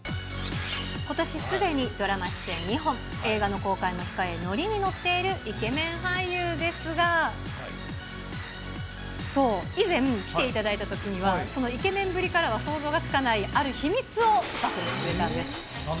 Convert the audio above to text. ことしすでにドラマ出演２本、映画の公開も控え、乗りに乗っているイケメン俳優ですが、そう、以前来ていただいたときには、そのイケメンぶりからは想像がつかないある秘密を暴露してくれたんです。